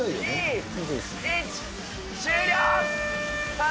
さあ。